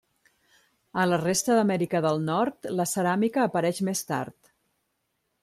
A la resta d'Amèrica del Nord la ceràmica apareix més tard.